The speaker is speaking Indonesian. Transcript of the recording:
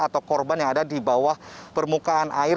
atau korban yang ada di bawah permukaan air